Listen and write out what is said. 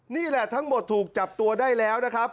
นี่แหละทั้งหมดถูกจับตัวได้แล้วนะครับ